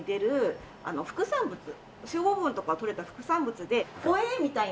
脂肪分とかが取れた副産物でホエイみたいな。